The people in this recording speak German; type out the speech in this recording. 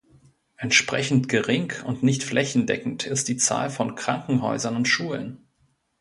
Entsprechend gering und nicht flächendeckend ist die Zahl von Krankenhäusern und Schulen.